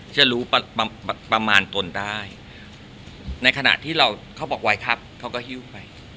จะรู้ประมาณตนได้ในขณะที่เราเขาบอกไว้ครับเขาก็หิ้วไป